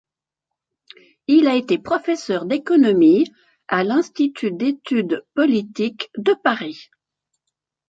Il a été professeur d'économie à l'Institut d'études politiques de Paris.